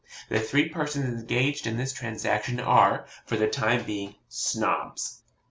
The three persons engaged in this transaction are, for the time being, Snobs.